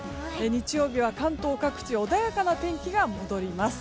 日曜日は関東各地穏やかな天気が戻ります。